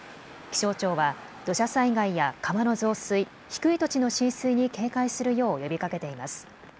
気象庁は土砂災害や川の増水、低い土地の浸水に警戒するよう呼びかけています。